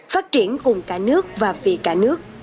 phát triển cùng cả nước và vì cả nước